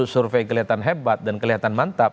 survei kelihatan hebat dan kelihatan mantap